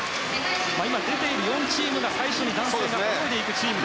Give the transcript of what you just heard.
今出ている４チームが最初に男性が泳いでいくチーム。